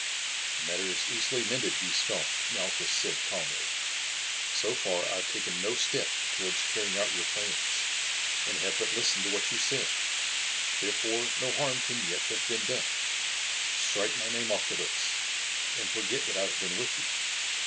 "The matter is easily mended, Giscon," Malchus said calmly. "So far I have taken no step towards carrying out your plans, and have but listened to what you said, therefore, no harm can yet have been done. Strike my name off the list, and forget that I have been with you.